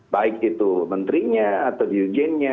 baik itu menterinya atau dirjennya